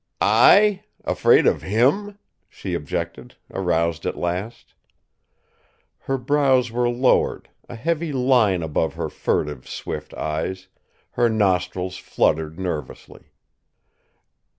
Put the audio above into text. "I! Afraid of him!" she objected, aroused at last. Her brows were lowered, a heavy line above her furtive, swift eyes; her nostrils fluttered nervously.